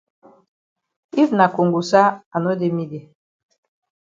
If na kongosa I no dey me dey.